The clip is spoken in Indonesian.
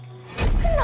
tidak usah raden